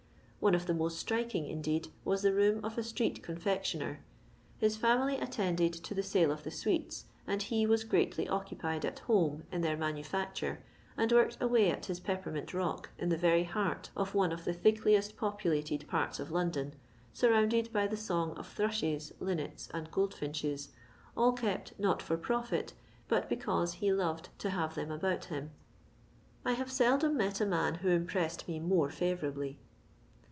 One of the most striking, indeed, was the room of a street confectioner. His fiimily attended to the sale of the sweets, and he was greatly occupied at home in their manufacture, and worked away at his peppermint rock, in the rery heart of one of the thicklifest populated parts of London, surrounded by the song of thrushes, linnets, and gold finches, all kept, not for profit, but because he <4oved" to have them about him. I have seldom met a man who impretsed me more fiivourably.